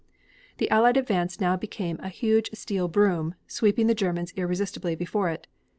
The Allied advance now became a huge steel broom, sweeping the Germans irresistibly before it.